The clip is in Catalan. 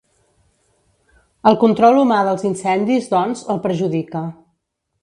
El control humà dels incendis, doncs, el perjudica.